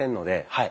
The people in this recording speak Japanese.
はい。